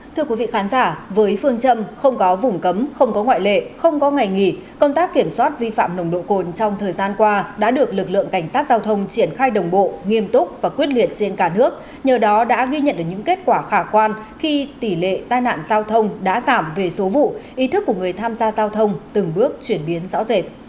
thưa quý vị khán giả với phương châm không có vùng cấm không có ngoại lệ không có ngày nghỉ công tác kiểm soát vi phạm nồng độ cồn trong thời gian qua đã được lực lượng cảnh sát giao thông triển khai đồng bộ nghiêm túc và quyết liệt trên cả nước nhờ đó đã ghi nhận được những kết quả khả quan khi tỷ lệ tai nạn giao thông đã giảm về số vụ ý thức của người tham gia giao thông từng bước chuyển biến rõ rệt